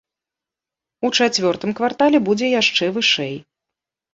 У чацвёртым квартале будзе яшчэ вышэй.